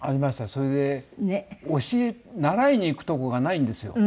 それで教え習いに行くとこがないんですよ。